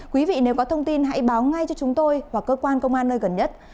quý vị nếu có thông tin hãy báo ngay cho chúng tôi hoặc cơ quan công an nơi gần nhất